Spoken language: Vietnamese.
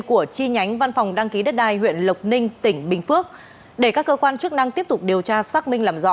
của chi nhánh văn phòng đăng ký đất đai huyện lộc ninh tỉnh bình phước để các cơ quan chức năng tiếp tục điều tra xác minh làm rõ